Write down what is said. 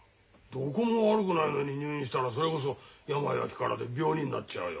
どこも悪くないのに入院したらそれこそ「病は気から」で病人になっちゃうよ。